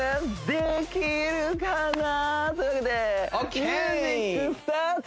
できてるかな？